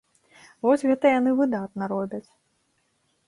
Вось гэта яны выдатна робяць.